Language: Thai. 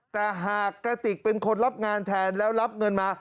แต่หากกระติกเป็นคนรับงานแทนแล้วรับเงินมา